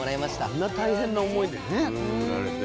あんな大変な思いでね作られて。